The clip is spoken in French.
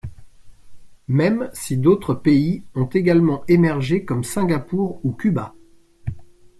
Même si d'autres pays ont également émergé comme Singapour ou Cuba.